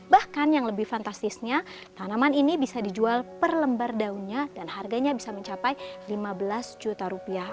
bahkan yang lebih fantastisnya tanaman ini bisa dijual per lembar daunnya dan harganya bisa mencapai lima belas juta rupiah